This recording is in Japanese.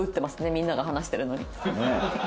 みんなが話してるのに。